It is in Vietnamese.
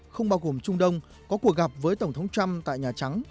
không bao gồm trung đông có cuộc gặp với tổng thống trump tại nhà trắng